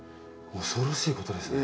恐ろしいことですね。